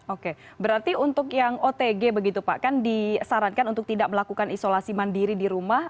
oke berarti untuk yang otg begitu pak kan disarankan untuk tidak melakukan isolasi mandiri di rumah